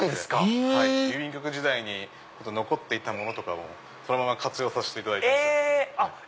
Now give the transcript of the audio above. へぇ郵便局時代に残っていたものを活用させていただいてます。